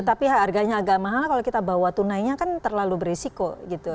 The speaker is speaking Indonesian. tapi harganya agak mahal kalau kita bawa tunainya kan terlalu berisiko gitu